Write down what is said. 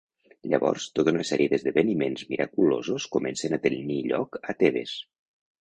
Llavors, tota una sèrie d'esdeveniments miraculosos comencen a tenir lloc a Tebes.